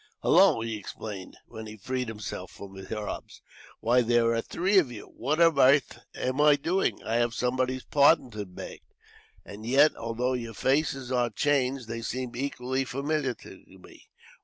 "Hullo!" he exclaimed, when he freed himself from their arms. "Why, there are three of you! What on earth am I doing? I have somebody's pardon to beg; and yet, although your faces are changed, they seem equally familiar to me.